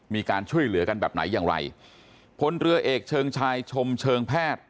มีการช่วยเหลือกันแบบไหนอย่างไรพลเรือเอกเชิงชายชมเชิงแพทย์